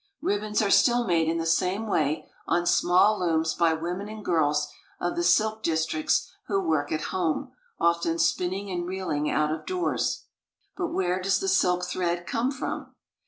Ribbons are still made in the same way on small looms by women and girls of the silk districts who work at home, often spinning and reeling out of doors. But where does the silk thread come from